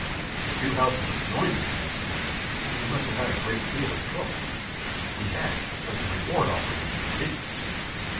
"The two houses adjoining!" I exclaimed. "You must have had a great deal of trouble." "We had; but the reward offered is prodigious."